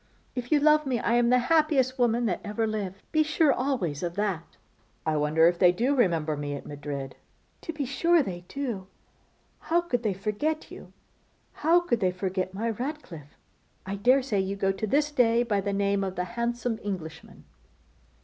If you love me I am the happiest woman that ever lived. Be sure always of that.' 'I wonder if they do remember me at Madrid!' 'To be sure they do. How could they forget you; how could they forget my Ratcliffe? I daresay you go to this day by the name of the handsome Englishman.